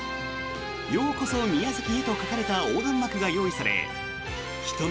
「ようこそ宮崎へ」と書かれた横断幕が用意されひと目